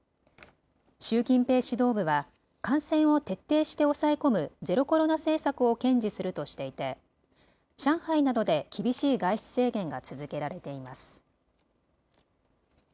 習近平指導部は感染を徹底して抑え込むゼロコロナ政策を堅持するとしていて上海などで厳しい外出制限が続けられています。